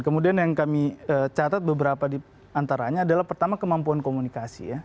kemudian yang kami catat beberapa diantaranya adalah pertama kemampuan komunikasi ya